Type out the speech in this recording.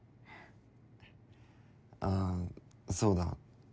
あっそうだ。